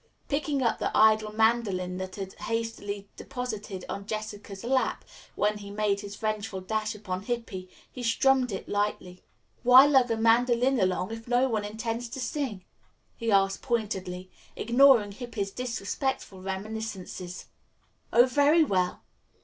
Picking up the idle mandolin that he had hastily deposited on Jessica's lap when he made his vengeful dash upon Hippy, he strummed it lightly. "Why lug a mandolin along if no one intends to sing?" he asked pointedly, ignoring Hippy's disrespectful reminiscences. "Oh, very well."